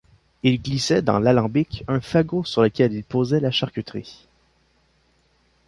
Ils glissaient dans l'alambic un fagot sur lequel ils posaient la charcuterie.